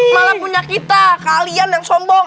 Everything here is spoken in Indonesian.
malah punya kita kalian yang sombong